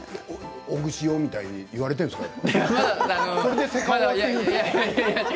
オグシオみたいに言われているんですかね。